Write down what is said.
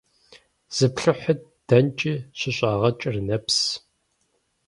Зыплъыхьыт – дэнкӀи щыщӀагъэкӀыр нэпс…